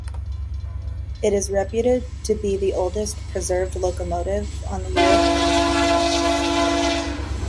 It is reputed to be the oldest preserved locomotive on the European continent.